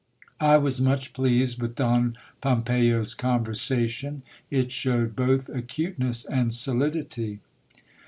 I was much pleased with Don Pom peyo's conversation, it showed both acuteness and solidity.